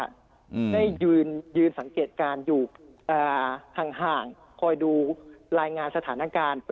อืมได้ยืนยืนสังเกตการณ์อยู่อ่าห่างห่างคอยดูรายงานสถานการณ์